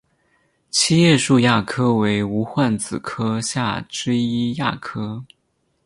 七叶树亚科为无患子科下之一亚科。